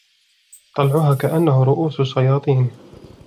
طَلْعُهَا كَأَنَّهُ رُءُوسُ الشَّيَاطِينِ